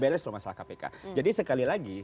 beres loh masalah kpk jadi sekali lagi